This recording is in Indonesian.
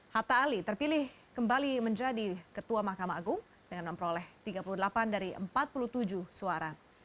hatta ali terpilih kembali menjadi ketua mahkamah agung dengan memperoleh tiga puluh delapan dari empat puluh tujuh suara